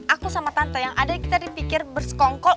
aku sama tante yang ada kita dipikir bersekongkok